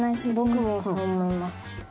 ぼくもそう思います。